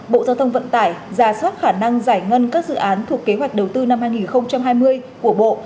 bộ giao thông vận tải ra soát khả năng giải ngân các dự án thuộc kế hoạch đầu tư năm hai nghìn hai mươi của bộ